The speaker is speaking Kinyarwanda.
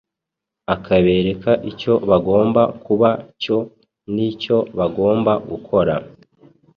akabereka icyo bagomba kuba cyo n’icyo bagomba gukora